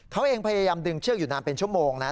เขาเองพยายามดึงเชือกอยู่นานเป็นชั่วโมงนะ